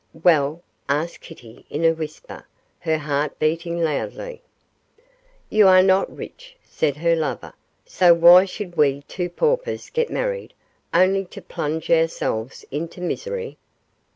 'Well?' asked Kitty in a whisper, her heart beating loudly. 'You are not rich,' said her lover, 'so why should we two paupers get married, only to plunge ourselves into misery?